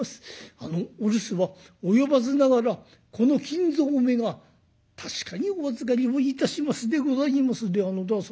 あのお留守は及ばずながらこの金蔵めが確かにお預かりをいたしますでございますで旦様